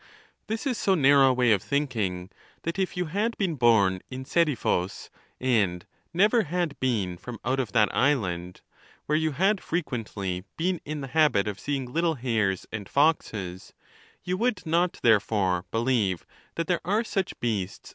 This is so narrow a way of thinking that if you had been born in Seriphus, and never had been from out of that island, where you had frequently been in the habit of seeing little hares and foxes, you would not, therefore, believe that there are such beasts as lions and panthers; ' Tlmt is, the zodiac.